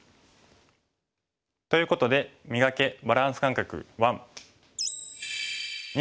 ということで「磨け！バランス感覚１」。